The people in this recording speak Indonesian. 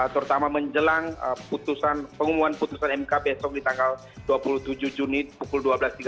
terutama menjelang pengumuman putusan mk besok di tanggal dua puluh tujuh juni pukul dua belas tiga puluh